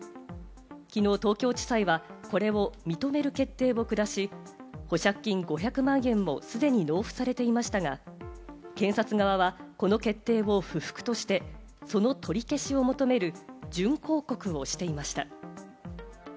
きのう、東京地裁はこれを認める決定を下し、保釈金５００万円を既に納付されていましたが、検察側はこの決定を不服として、その取り消しを求める準抗告をしていました。